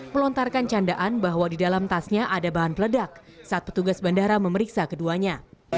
melontarkan candaan bahwa di dalam tasnya ada bahan peledak saat petugas bandara memeriksa keduanya